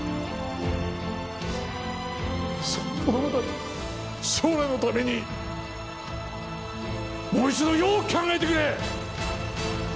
その子どもたちの将来のためにもう一度よく考えてくれ！